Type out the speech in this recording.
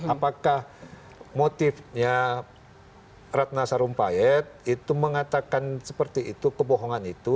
apakah motifnya ratna sarumpayat itu mengatakan seperti itu kebohongan itu